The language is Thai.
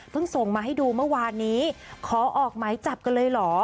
ส่งมาให้ดูเมื่อวานนี้ขอออกหมายจับกันเลยเหรอ